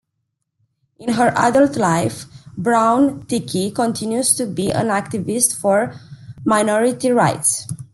In her adult life, Brown-Trickey continues to be an activist for minority rights.